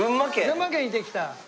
群馬県行ってきた？